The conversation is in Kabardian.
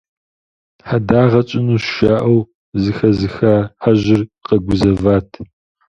«Хьэдагъэ тщӏынущ» жаӏэу зыхэзыха хьэжьыр къэгузэват.